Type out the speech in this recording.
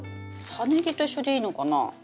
葉ネギと一緒でいいのかな？